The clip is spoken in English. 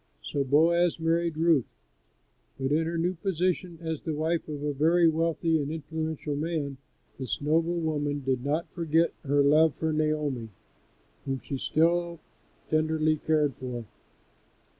So Boaz married Ruth; but in her new position as the wife of a very wealthy and influential man, this noble woman did not forget her love for Naomi, whom she still tenderly cared for.